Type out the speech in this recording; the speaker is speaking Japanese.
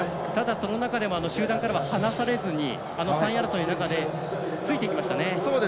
その中でも集団では離されずに３位集団の中についていきました。